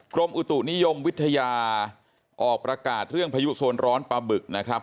กรมอุตุนิยมวิทยาออกประกาศเรื่องพายุโซนร้อนปลาบึกนะครับ